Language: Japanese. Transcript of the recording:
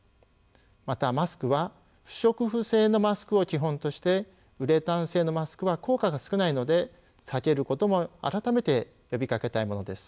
またマスクは不織布製のマスクを基本としてウレタン製のマスクは効果が少ないので避けることも改めて呼びかけたいものです。